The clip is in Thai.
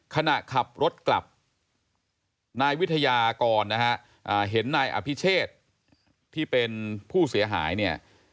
ขณะขับรถกลับนายวิทยากรนะฮะเห็นนายอภิเชษที่เป็นผู้เสียหายเนี่ย